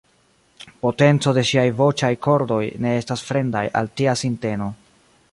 Potenco de ŝiaj voĉaj kordoj ne estas fremda al tia sinteno.